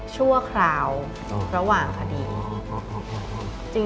ชั่วคราวระหว่างคดี